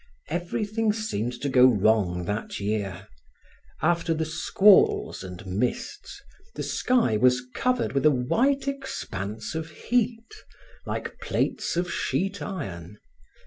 Everything seemed to go wrong that year. After the squalls and mists, the sky was covered with a white expanse of heat, like plates of sheet iron.